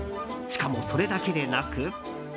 しかも、それだけでなく。